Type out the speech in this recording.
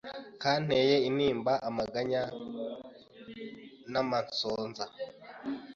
kanteye intimba amaganya n' amansonza